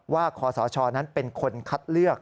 คศนั้นเป็นคนคัดเลือก